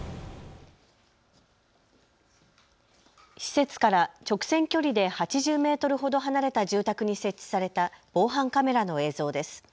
施設から直線距離で８０メートルほど離れた住宅に設置された防犯カメラの映像です。